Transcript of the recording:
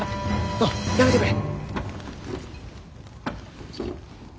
のうやめてくれ。